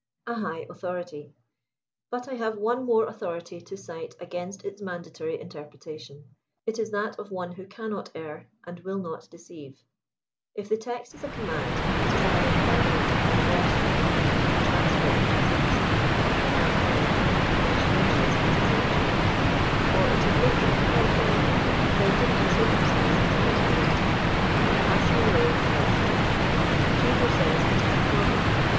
A HIGH AUTHORITY. But I have one more authority to cite against its mandatory interpretation. It is that of one who cannot err and will not deceive. If the text is a command, it is either permanent and universal ; a transcript, so to speak, of the divine mind, and changeless as its original ; or it is local, temporary, depending , on circumstances for its validity, and passing away with their change. Cheever says it is the former.